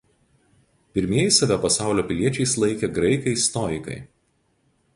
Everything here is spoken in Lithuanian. Pirmieji save pasaulio piliečiais laikė graikai stoikai.